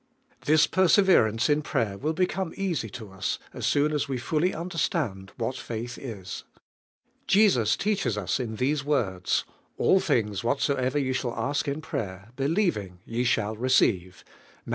This perseverance in prayer will be come easy to us as soon as we fully under stand what faitli is. Jesus teaches us in these words, "All things whatsoever ye shall ask in prayer, believing, ye shall re ceive" (Matt.